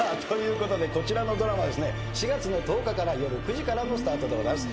こちらのドラマですね４月の１０日から夜９時からのスタートでございます。